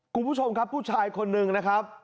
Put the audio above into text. คุณผู้ชมครับผู้ชายคนหนึ่งนะครับ